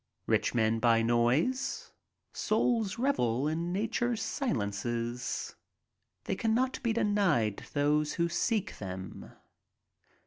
Rich men buy noise. Souls irevel in nature's silences. They cannot be denied those who seek them.